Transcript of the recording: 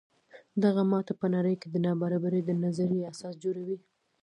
دغه ماته په نړۍ کې د نابرابرۍ د نظریې اساس جوړوي.